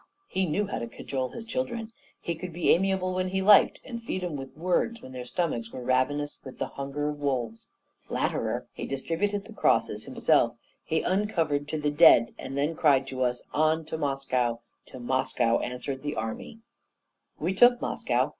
he knew how to cajole his children; he could be amiable when he liked, and feed 'em with words when their stomachs were ravenous with the hunger of wolves. Flatterer! he distributed the crosses himself, he uncovered to the dead, and then he cried to us, 'On! to Moscow!' 'To Moscow!' answered the army. "We took Moscow.